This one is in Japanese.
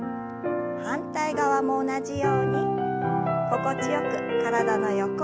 反対側も同じように心地よく体の横を伸ばします。